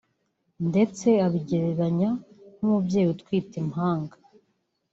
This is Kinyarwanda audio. ndetse abigereranya nk’umubyeyi utwite impanga